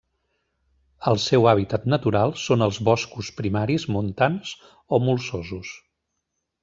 El seu hàbitat natural són els boscos primaris montans o molsosos.